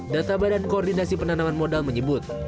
data badan koordinasi penanaman modal menyebut